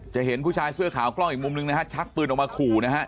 เห็นผู้ชายเสื้อขาวกล้องอีกมุมหนึ่งนะฮะชักปืนออกมาขู่นะฮะ